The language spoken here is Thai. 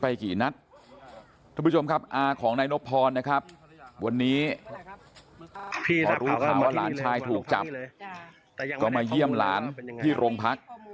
ว่าหลานชายถูกจับก็มาเยี่ยมหลานที่โรงพักษณ์